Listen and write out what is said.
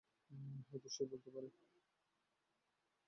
হয়তো সে বলতে পারবে।